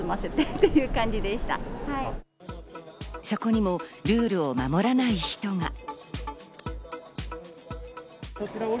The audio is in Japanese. そこにもルールを守らない人が。